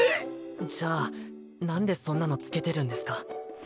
じゃあ何でそんなのつけてるんですか？